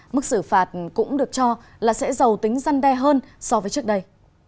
mức xử phạt cũng được cho là sẽ giàu tính gian đe hơn so với trước đây